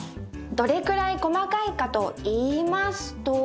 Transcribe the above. どれくらい細かいかといいますと。